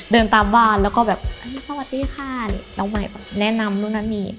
เดินตามบ้านแล้วก็แบบสวัสดีค่ะนี่น้องใหม่แนะนำนู่นนั่นนี่